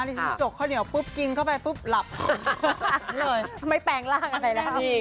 ที่ฉันจกข้าวเหนียวปุ๊บกินเข้าไปปุ๊บหลับเลยไม่แปลงร่างอะไรแล้วนี่